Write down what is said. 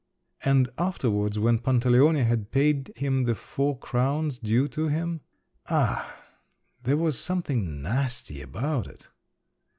And afterwards when Pantaleone had paid him the four crowns due to him … Ah! there was something nasty about it!